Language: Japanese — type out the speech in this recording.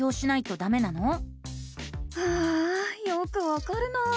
ああよくわかるな。